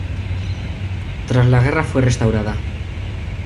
Tras la guerra fue restaurada.